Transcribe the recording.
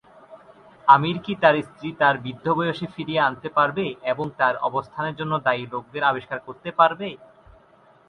আমির কি তার স্ত্রীকে তার বৃদ্ধ বয়সে ফিরিয়ে আনতে পারবে এবং তার অবস্থার জন্য দায়ী লোকদের আবিষ্কার করতে পারবে?